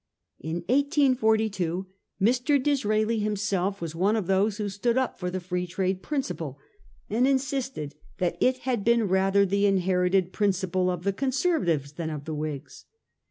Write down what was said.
In 1842 Mr. Disraeli himself was one of those who stood up for the Free Trade principle, and insisted that it had been rather the inherited principle of the Conservatives than of the Whigs.